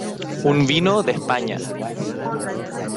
un vino de España.